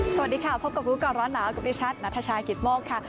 สวัสดีค่ะพบกับลูกก่อนร้อนหนาวกว่าประชาติณทชาคิดโมกค่ะ